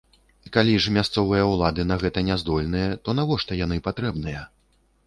Калі ж мясцовыя ўлады на гэта не здольныя, то навошта яны патрэбныя?